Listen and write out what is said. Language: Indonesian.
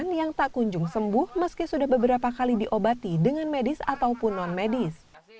pasien yang tak kunjung sembuh meski sudah beberapa kali diobati dengan medis ataupun non medis